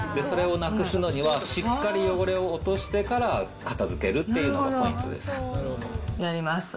それをなくすのには、しっかり汚れを落としてから、片づけるっていうのがポイントです。